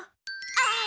ああ！